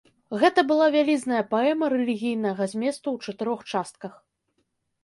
Гэта была вялізная паэма рэлігійнага зместу ў чатырох частках.